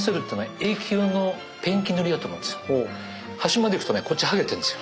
端まで行くとねこっち剥げてるんですよ。